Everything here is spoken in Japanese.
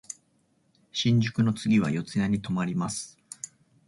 新宿の次は四谷に止まります。